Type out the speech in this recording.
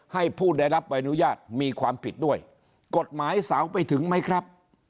ผู้ได้รับใบอนุญาตมีความผิดด้วยกฎหมายสาวไปถึงไหมครับ